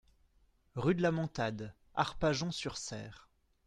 Rue de la Montade, Arpajon-sur-Cère